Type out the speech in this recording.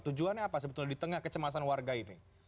tujuannya apa sebetulnya di tengah kecemasan warga ini